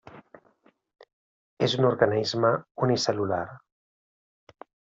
És un organisme unicel·lular.